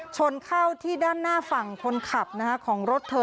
ชนเข้าที่ด้านหน้าฝั่งคนขับของรถเธอ